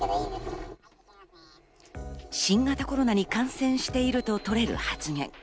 新型コロナに感染しているととれる発言。